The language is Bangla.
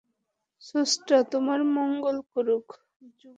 স্রষ্টা তোমার মঙ্গল করুক, যুবক!